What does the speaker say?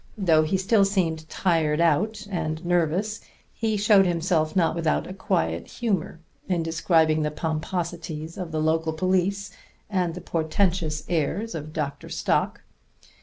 Though he still seemed tired out and nervous, he showed himself not without a quiet humor in describing the pomposities of the local police and the portentous airs of Dr. Stock.